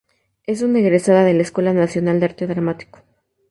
Es una egresada de la "Escuela Nacional de Arte Dramático".